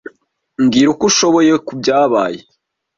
Mbwira uko ushoboye kubyabaye.